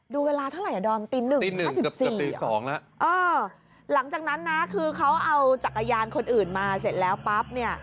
ดูเวลาเท่าไหร่อ่ะดอนตี๑ตี๕๔อ่ะอ่อหลังจากนั้นนะคือเขาเอาจักรยานคนอื่นมาเสร็จแล้วปั๊บเนี่ย